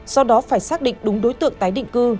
do đó phải xác định đúng đối tượng tái định cư